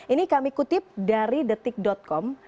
ini kami kutip dari detik com